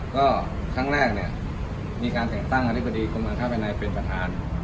ก็ครั้งแรกเนี่ยมีการแต่งตั้งอธิบดีกรมการค้าภายในเป็นประธาน